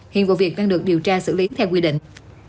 hiện vụ việc đang được điều tra xử lý theo quy định